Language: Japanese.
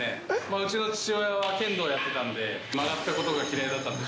うちの父親は剣道やってたんで曲がったことが嫌いだったんです